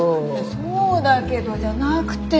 「そうだけど」じゃなくて。